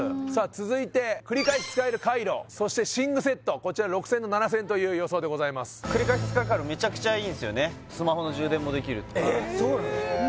続いて繰り返し使えるカイロそして寝具セットこちら６０００円と７０００円という予想でございます繰り返し使えるカイロメチャクチャいいんすよねえっそうなの？